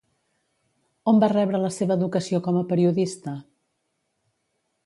On va rebre la seva educació com a periodista?